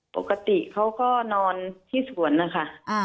ปกติเขาก็นอนที่สวนนะคะ